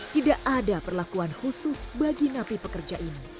tidak ada perlakuan khusus bagi napi pekerja ini